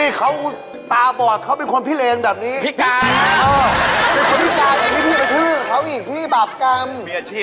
นี่เขาตาบอดเขาเป็นคนพิเทงแบบนี้